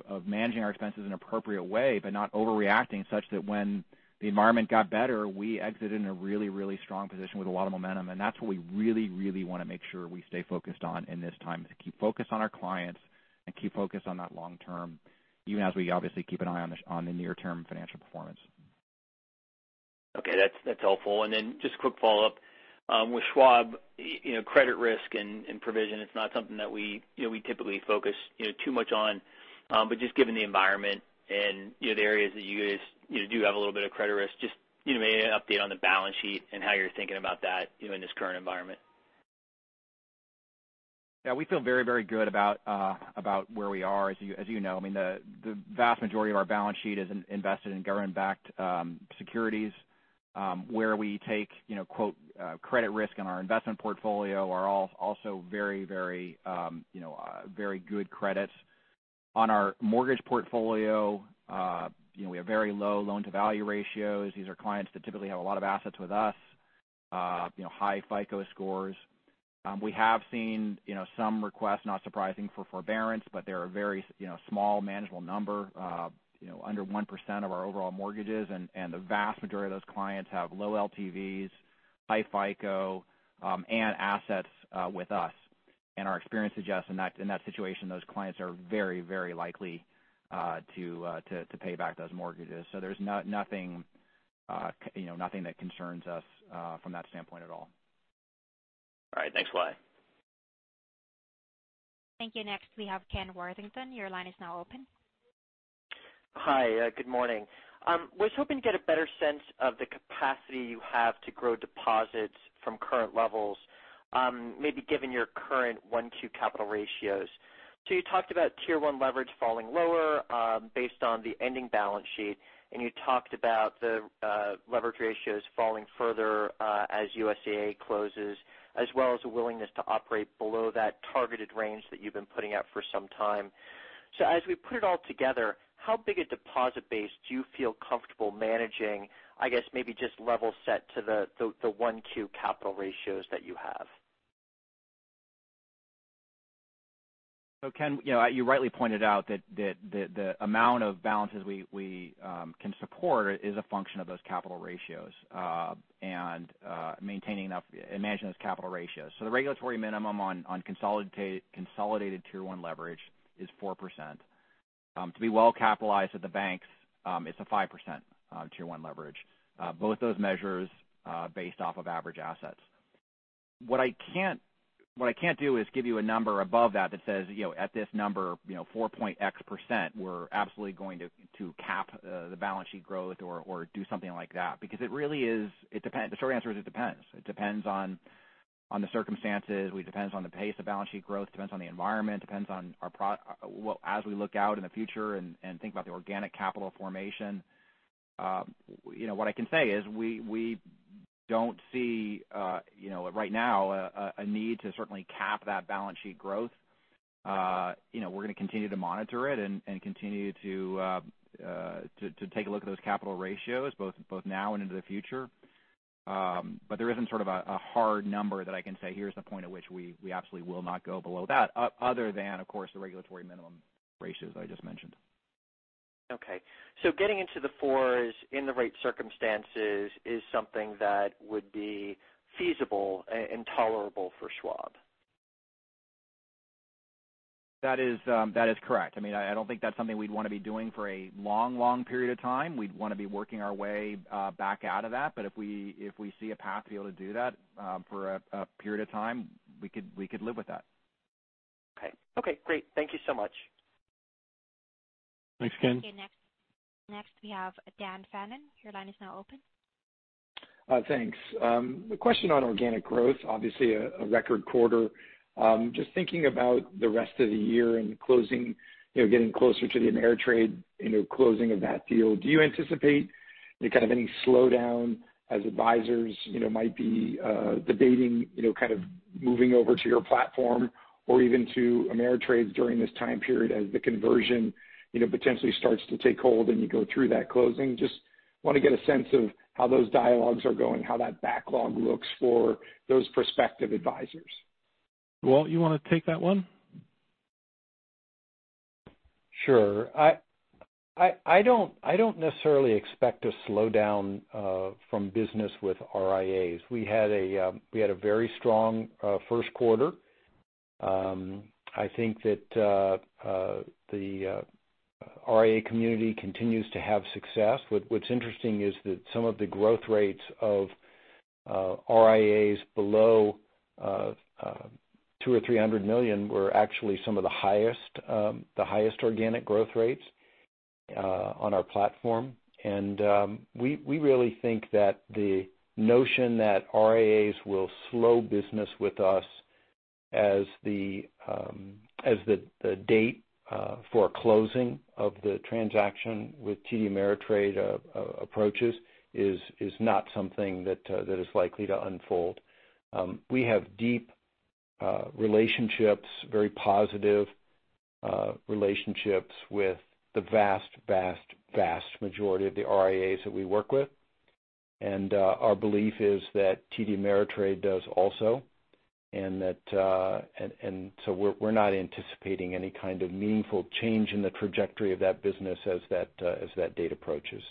of managing our expenses in an appropriate way, but not overreacting such that when the environment got better, we exited in a really, really strong position with a lot of momentum. That's what we really, really want to make sure we stay focused on in this time, is to keep focused on our clients and keep focused on that long-term, even as we obviously keep an eye on the near-term financial performance. Okay, that's helpful. Then just a quick follow-up. With Schwab, credit risk and provision, it's not something that we typically focus too much on. Just given the environment and the areas that you guys do have a little bit of credit risk, just maybe an update on the balance sheet and how you're thinking about that in this current environment. Yeah, we feel very, very good about where we are. As you know, the vast majority of our balance sheet is invested in government-backed securities. Where we take "credit risk" in our investment portfolio are also very good credits. On our mortgage portfolio, we have very low loan-to-value ratios. These are clients that typically have a lot of assets with us, high FICO scores. We have seen some requests, not surprising, for forbearance, but they're a very small, manageable number, under 1% of our overall mortgages. The vast majority of those clients have low LTVs, high FICO, and assets with us. Our experience suggests in that situation, those clients are very, very likely to pay back those mortgages. There's nothing that concerns us from that standpoint at all. All right, thanks a lot. Thank you. Next, we have Ken Worthington. Your line is now open. Hi, good morning. Was hoping to get a better sense of the capacity you have to grow deposits from current levels maybe given your current 1Q capital ratios. You talked about Tier 1 leverage falling lower based on the ending balance sheet, and you talked about the leverage ratios falling further as USAA closes, as well as a willingness to operate below that targeted range that you've been putting out for some time. As we put it all together, how big a deposit base you feel comfortable managing, I guess maybe just level set to the 1Q capital ratios that you have? Ken, you rightly pointed out that the amount of balances we can support is a function of those capital ratios and maintaining enough and managing those capital ratios. The regulatory minimum on consolidated Tier 1 leverage is 4%. To be well-capitalized at the banks, it's a 5% Tier 1 leverage. Both those measures based off of average assets. What I can't do is give you a number above that that says at this number, 4 point X%, we're absolutely going to cap the balance sheet growth or do something like that because the short answer is it depends. It depends on the circumstances. It depends on the pace of balance sheet growth. It depends on the environment. It depends on as we look out in the future and think about the organic capital formation. What I can say is we don't see right now a need to certainly cap that balance sheet growth. We're going to continue to monitor it and continue to take a look at those capital ratios, both now and into the future. There isn't sort of a hard number that I can say, "Here's the point at which we absolutely will not go below that," other than, of course, the regulatory minimum ratios I just mentioned. Okay. Getting into the 4s, in the right circumstances is something that would be feasible and tolerable for Schwab. That is correct. I don't think that's something we'd want to be doing for a long, long period of time. We'd want to be working our way back out of that. If we see a path to be able to do that for a period of time, we could live with that. Okay. Great. Thank you so much. Thanks, Ken. Okay, next we have Dan Fannon. Your line is now open. Thanks. A question on organic growth. Obviously a record quarter. Just thinking about the rest of the year and getting closer to the Ameritrade closing of that deal. Do you anticipate kind of any slowdown as advisors might be debating kind of moving over to your platform or even to Ameritrade's during this time period as the conversion potentially starts to take hold and you go through that closing? Just want to get a sense of how those dialogues are going, how that backlog looks for those prospective advisors. Walt, you want to take that one? Sure. I don't necessarily expect a slowdown from business with RIAs. We had a very strong first quarter. I think that the RIA community continues to have success. What's interesting is that some of the growth rates of RIAs below $200 million or $300 million were actually some of the highest organic growth rates on our platform. We really think that the notion that RIAs will slow business with us as the date for closing of the transaction with TD Ameritrade approaches is not something that is likely to unfold. We have deep relationships, very positive relationships with the vast, vast majority of the RIAs that we work with. Our belief is that TD Ameritrade does also, so we're not anticipating any kind of meaningful change in the trajectory of that business as that date approaches.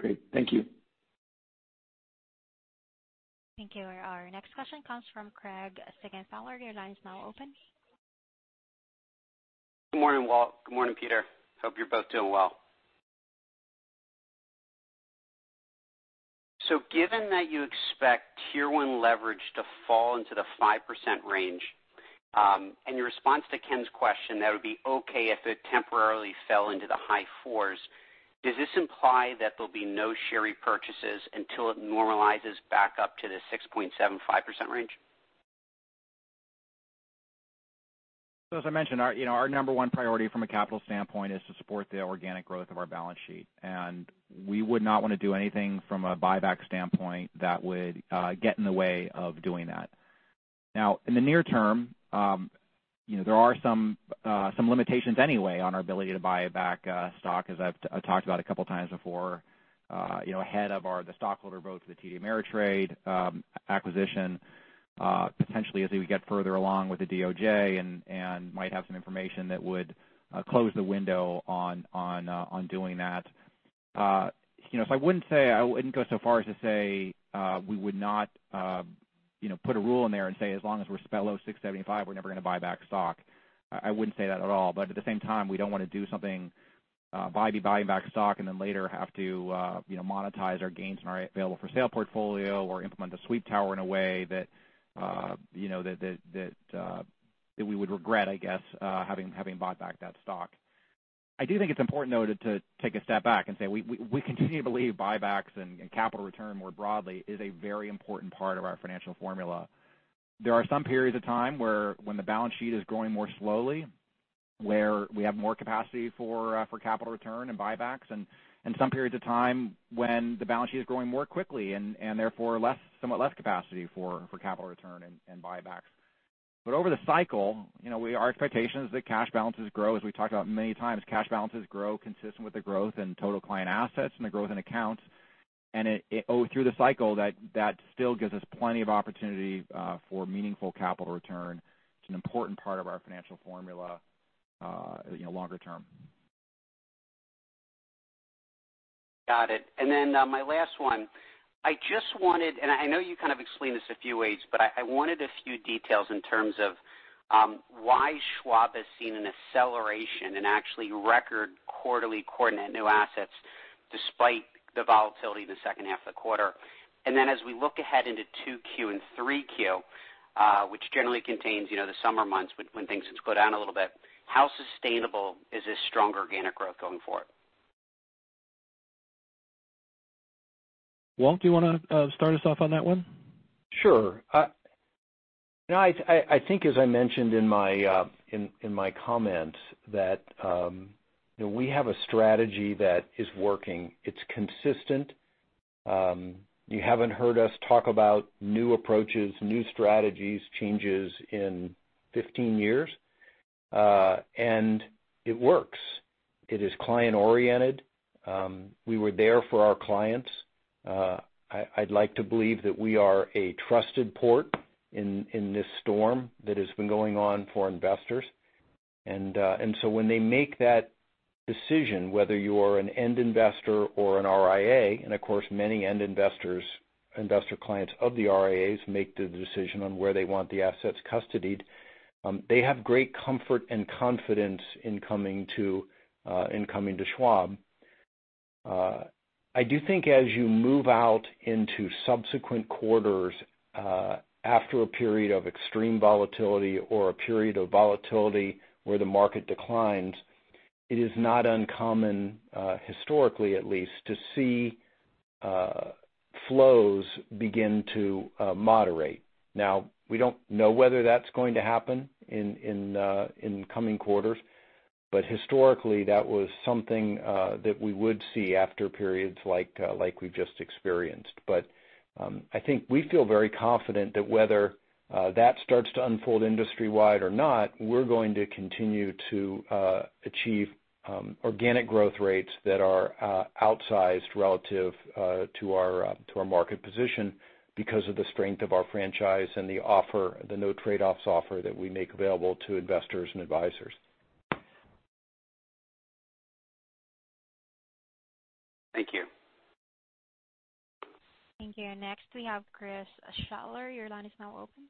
Great. Thank you. Thank you. Our next question comes from Craig Siegenthaler. Your line is now open. Good morning, Walt. Good morning, Peter. Hope you're both doing well. Given that you expect Tier 1 leverage to fall into the 5% range, and your response to Ken's question, that it would be okay if it temporarily fell into the high 4s, does this imply that there'll be no share repurchases until it normalizes back up to the 6.75% range? As I mentioned, our number one priority from a capital standpoint is to support the organic growth of our balance sheet. We would not want to do anything from a buyback standpoint that would get in the way of doing that. In the near-term, there are some limitations anyway on our ability to buy back stock, as I've talked about a couple of times before. Ahead of the stockholder vote for the TD Ameritrade acquisition, potentially as we get further along with the DOJ and might have some information that would close the window on doing that. I wouldn't go so far as to say we would not put a rule in there and say as long as we're still below 6.75%, we're never going to buy back stock. I wouldn't say that at all. At the same time, we don't want to do something by buying back stock and then later have to monetize our gains in our available-for-sale portfolio or implement a sweep tower in a way that we would regret, I guess, having bought back that stock. I do think it's important, though, to take a step back and say we continue to believe buybacks and capital return more broadly is a very important part of our financial formula. There are some periods of time when the balance sheet is growing more slowly, where we have more capacity for capital return and buybacks, and some periods of time when the balance sheet is growing more quickly and therefore somewhat less capacity for capital return and buybacks. Over the cycle, our expectation is that cash balances grow. As we talked about many times, cash balances grow consistent with the growth in total client assets and the growth in accounts. Through the cycle, that still gives us plenty of opportunity for meaningful capital return. It's an important part of our financial formula longer term. Got it. My last one. I just wanted, and I know you kind of explained this a few ways, but I wanted a few details in terms of why Schwab has seen an acceleration and actually record quarterly core net new assets despite the volatility in the second half of the quarter. As we look ahead into 2Q and 3Q, which generally contains the summer months when things slow down a little bit, how sustainable is this strong organic growth going forward? Walt, do you want to start us off on that one? Sure. I think as I mentioned in my comments that we have a strategy that is working. It's consistent. You haven't heard us talk about new approaches, new strategies, changes in 15 years. It works. It is client-oriented. We were there for our clients. I'd like to believe that we are a trusted port in this storm that has been going on for investors. When they make that decision, whether you are an end investor or an RIA, and of course, many end investor clients of the RIAs make the decision on where they want the assets custodied. They have great comfort and confidence in coming to Schwab. I do think as you move out into subsequent quarters after a period of extreme volatility or a period of volatility where the market declines, it is not uncommon, historically at least, to see flows begin to moderate. Now we don't know whether that's going to happen in coming quarters, but historically, that was something that we would see after periods like we've just experienced. I think we feel very confident that whether that starts to unfold industry-wide or not, we're going to continue to achieve organic growth rates that are outsized relative to our market position because of the strength of our franchise and the no trade-offs offer that we make available to investors and advisors. Thank you. Thank you. Next, we have Chris Shutler. Your line is now open.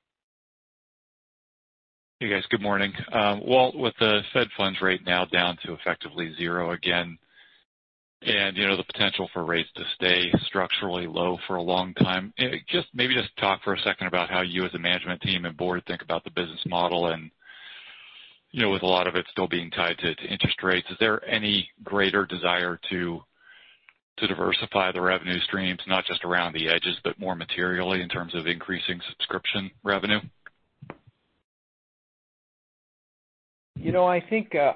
Hey, guys. Good morning. Walt, with the Fed funds rate now down to effectively zero again, and the potential for rates to stay structurally low for a long time, maybe just talk for a second about how you as a management team and board think about the business model and, with a lot of it still being tied to interest rates, is there any greater desire to diversify the revenue streams, not just around the edges, but more materially in terms of increasing subscription revenue?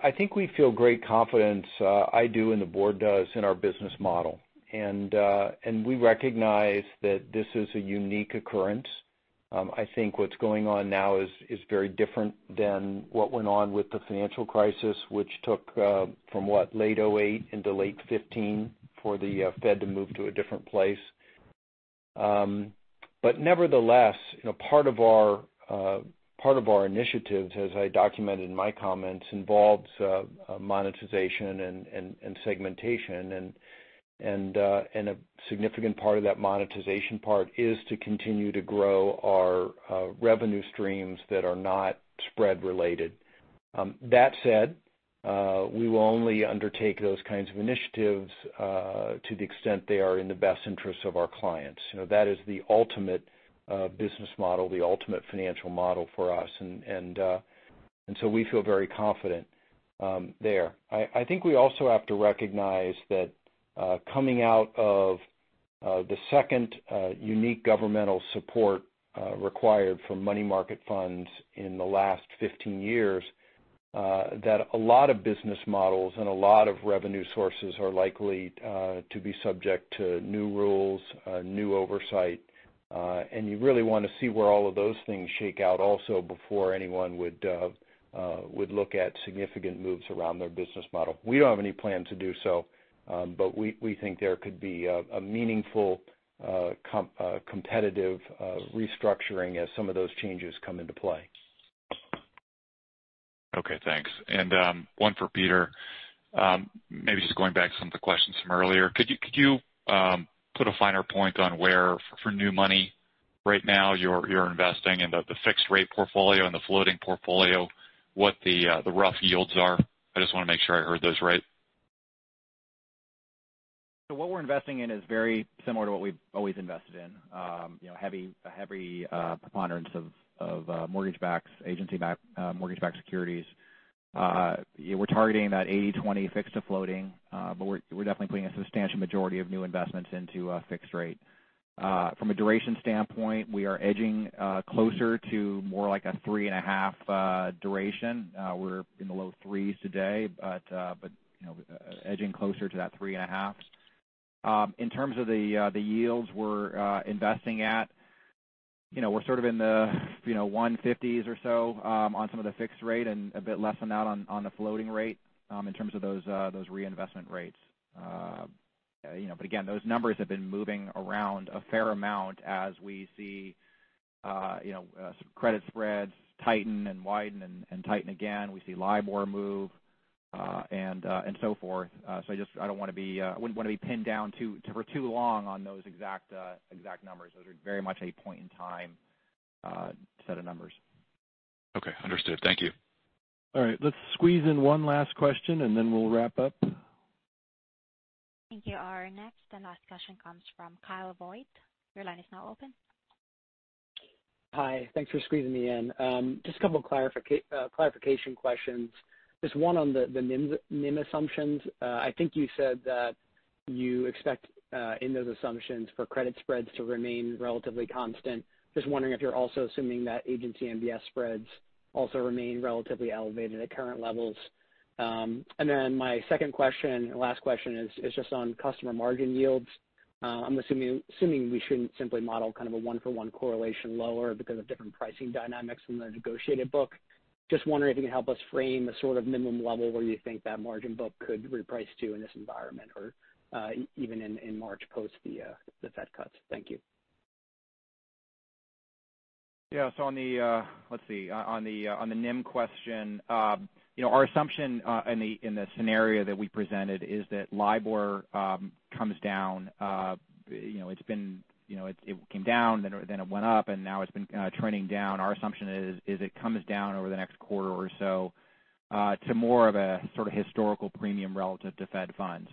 I think we feel great confidence, I do, and the board does, in our business model. We recognize that this is a unique occurrence. I think what's going on now is very different than what went on with the financial crisis, which took from, what, late 2008 into late 2015 for the Fed to move to a different place. Nevertheless, part of our initiatives, as I documented in my comments, involves monetization and segmentation, and a significant part of that monetization part is to continue to grow our revenue streams that are not spread related. That said, we will only undertake those kinds of initiatives to the extent they are in the best interest of our clients. That is the ultimate business model, the ultimate financial model for us. We feel very confident there. I think we also have to recognize that coming out of the second unique governmental support required for money market funds in the last 15 years, that a lot of business models and a lot of revenue sources are likely to be subject to new rules, new oversight, and you really want to see where all of those things shake out also before anyone would look at significant moves around their business model. We don't have any plan to do so. We think there could be a meaningful competitive restructuring as some of those changes come into play. Okay, thanks. One for Peter, maybe just going back to some of the questions from earlier. Could you put a finer point on where, for new money right now, you're investing in the fixed rate portfolio and the floating portfolio, what the rough yields are? I just want to make sure I heard those right. What we're investing in is very similar to what we've always invested in, a heavy preponderance of mortgage-backed securities. We're targeting that 80/20 fixed to floating, we're definitely putting a substantial majority of new investments into fixed rate. From a duration standpoint, we are edging closer to more like a 3.5 duration. We're in the low 3s today, but edging closer to that 3.5. In terms of the yields we're investing at, we're sort of in the 150s or so on some of the fixed rate and a bit less than that on the floating rate in terms of those reinvestment rates. Again, those numbers have been moving around a fair amount as we see credit spreads tighten and widen and tighten again. We see LIBOR move and so forth. I wouldn't want to be pinned down for too long on those exact numbers. Those are very much a point-in-time set of numbers. Okay, understood. Thank you. All right. Let's squeeze in one last question and then we'll wrap up. Thank you. Our next and last question comes from Kyle Voigt. Your line is now open. Hi. Thanks for squeezing me in. Just a couple clarification questions. Just one on the NIM assumptions. I think you said that you expect in those assumptions for credit spreads to remain relatively constant. Just wondering if you're also assuming that agency MBS spreads also remain relatively elevated at current levels. My second question, last question, is just on customer margin yields. I'm assuming we shouldn't simply model kind of a one-for-one correlation lower because of different pricing dynamics from the negotiated book. Just wondering if you can help us frame a sort of minimum level where you think that margin book could reprice to in this environment or even in March post the Fed cuts. Thank you. On the NIM question, our assumption in the scenario that we presented is that LIBOR comes down. It came down, then it went up, now it's been trending down. Our assumption is it comes down over the next quarter or so to more of a sort of historical premium relative to Fed funds.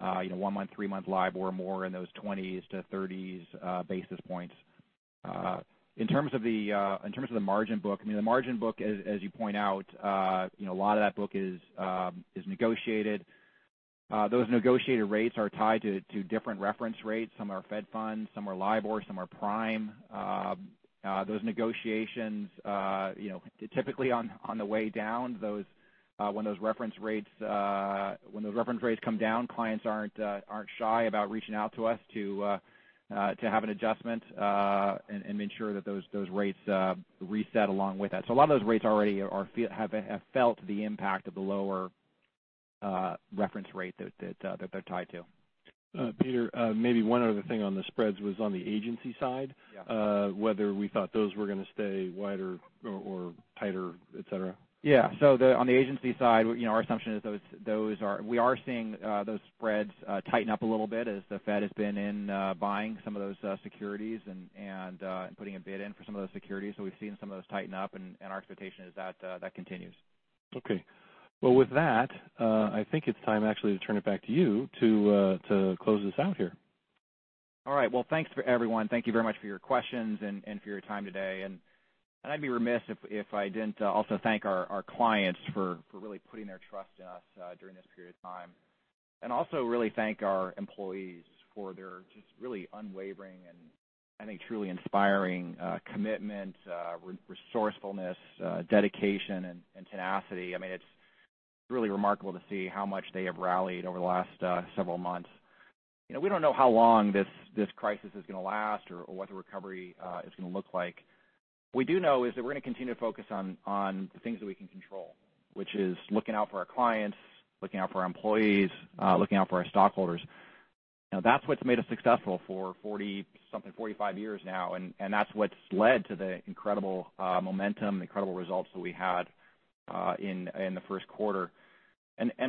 One-month, three-month LIBOR, more in those 20s-30s basis points. In terms of the margin book, the margin book, as you point out, a lot of that book is negotiated. Those negotiated rates are tied to different reference rates. Some are Fed funds, some are LIBOR, some are prime. Those negotiations, typically on the way down, when those reference rates come down, clients aren't shy about reaching out to us to have an adjustment and ensure that those rates reset along with that. A lot of those rates already have felt the impact of the lower reference rate that they're tied to. Peter, maybe one other thing on the spreads was on the agency side. Whether we thought those were going to stay wider or tighter, et cetera. On the agency side, our assumption is we are seeing those spreads tighten up a little bit as the Fed has been in buying some of those securities and putting a bid in for some of those securities. We've seen some of those tighten up, and our expectation is that continues. Okay. Well, with that, I think it's time actually to turn it back to you to close this out here. All right. Well, thanks everyone. Thank you very much for your questions and for your time today. I'd be remiss if I didn't also thank our clients for really putting their trust in us during this period of time. Also really thank our employees for their just really unwavering and I think truly inspiring commitment, resourcefulness, dedication, and tenacity. It's really remarkable to see how much they have rallied over the last several months. We don't know how long this crisis is going to last or what the recovery is going to look like. What we do know is that we're going to continue to focus on the things that we can control, which is looking out for our clients, looking out for our employees, looking out for our stockholders. That's what's made us successful for 40-something, 45 years now, and that's what's led to the incredible momentum, the incredible results that we had in the first quarter.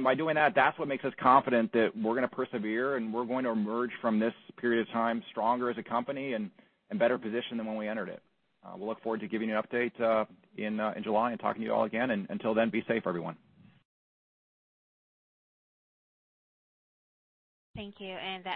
By doing that's what makes us confident that we're going to persevere and we're going to emerge from this period of time stronger as a company and better positioned than when we entered it. We'll look forward to giving you an update in July and talking to you all again. Until then, be safe, everyone. Thank you.